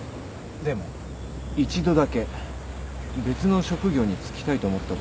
一度だけ別の職業に就きたいと思ったことがあったな。